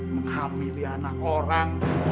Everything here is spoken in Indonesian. menghamili anak orang